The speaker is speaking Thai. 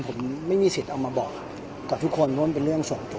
ผมไม่มีสิทธิ์บอกกับทุกคนว่ามันมันบอกเป็นเรื่องส่วนตัว